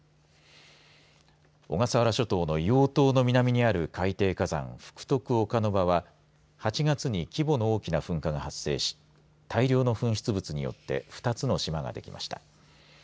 小笠原諸島の硫黄島の南にある海底火山、福徳岡ノ場は８月に規模の大きな噴火が発生し大量の噴出物によって２つの島が出来ました。